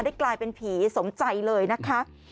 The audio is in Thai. ได้กลายเป็นผีสมใจเลยนะคะ